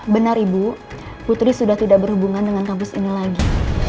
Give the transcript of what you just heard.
benar ibu putri sudah tidak berhubungan dengan kampus ini lagi